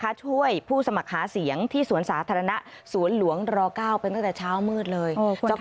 พูดให้ช่วยผู้สมรคาเสียงที่สวนสาธารณะสวนหลวงรอเก้าไปตั้งแต่เช้ามืดเลย